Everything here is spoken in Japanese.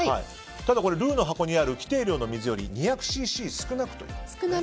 ただ、ルーの箱にある規定量の水より２００ｃｃ少なくということですね。